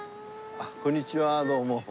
あっこんにちはどうも。